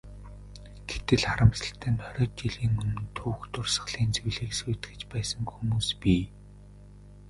Гэтэл, харамсалтай нь хориод жилийн өмнө түүх дурсгалын зүйлийг сүйтгэж байсан хүмүүс бий.